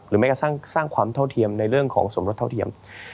แม้กระทั่งสร้างความเท่าเทียมในเรื่องของสมรสเท่าเทียม